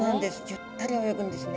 ゆったり泳ぐんですね。